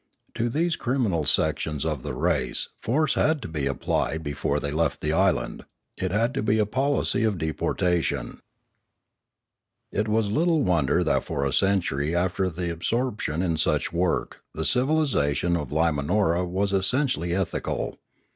To these criminal sections of the race force had to be applied before they left the island; it had to be a policy of deportation. It was little wonder that for a century after absorp tion in such work the civilisation of Limanora was es sentially ethical.